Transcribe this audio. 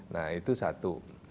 nah itu satu